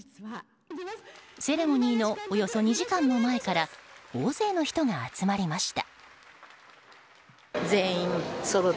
セレモニーのおよそ２時間も前から大勢の人が集まりました。